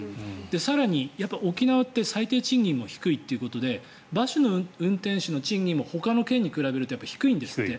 更に、沖縄って最低賃金も低いということでバスの運転手の賃金もほかの県に比べるとやっぱり低いんですって。